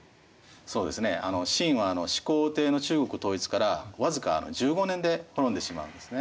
そうですね秦は始皇帝の中国統一から僅か１５年で滅んでしまうんですね。